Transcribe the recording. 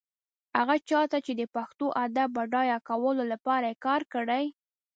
هغه چا ته چې د پښتو ادب بډایه کولو لپاره يې کار کړی.